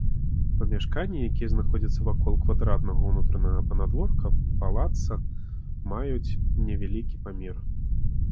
Памяшканні, якія знаходзяцца вакол квадратнага ўнутранага панадворка палацца, маюць невялікі памер.